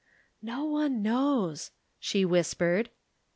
"No one knows," she whispered.